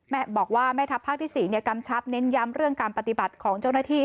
แม่บอกว่าแม่ทัพภาคที่๔กำชับเน้นย้ำเรื่องการปฏิบัติของเจ้าหน้าที่